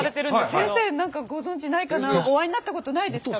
先生何かご存じないかなお会いになったことないですか？